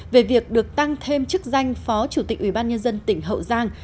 về việc được tăng thêm chức danh phó chủ tịch ủy ban nhân dân tỉnh hậu giang